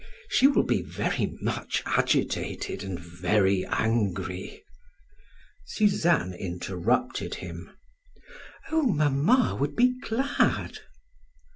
She will be very much agitated and very angry." Suzanne interrupted him: "Oh, mamma would be glad."